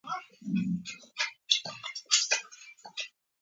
شاه محمود د خپلو ځواکونو د ساتنې لپاره ستراتیژي جوړه کړه.